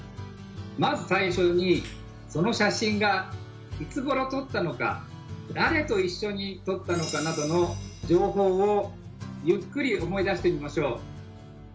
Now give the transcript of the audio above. まず最初にその写真がいつごろ撮ったのか誰と一緒に撮ったのかなどの情報をゆっくり思い出してみましょう。